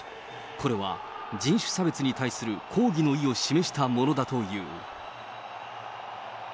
これは人種差別に対する抗議の意を示したものだという。